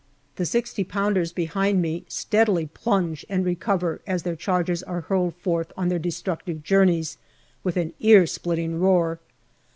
The 6o pounders behind me steadily plunge and recover as their charges are hurled forth on their destructive journeys, with an ear splitting roar.